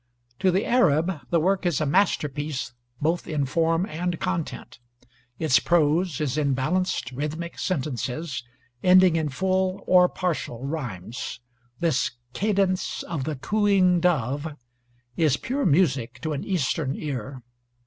To the Arab the work is a masterpiece both in form and content. Its prose is in balanced, rhythmic sentences ending in full or partial rhymes. This "cadence of the cooing dove" is pure music to an Eastern ear.